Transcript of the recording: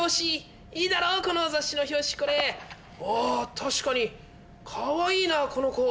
確かにかわいいなこの子。